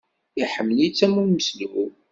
Iḥemmel-itt am umeslub.